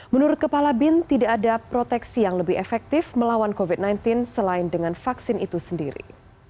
menurut kepala bin tidak ada proteksi yang lebih efektif melawan covid sembilan belas selain dengan vaksin itu sendiri